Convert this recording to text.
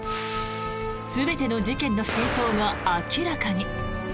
全ての事件の真相が明らかに。